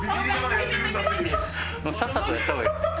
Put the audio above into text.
さっさとやった方がいいですね。